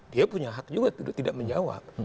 dia punya hak juga untuk tidak menjawab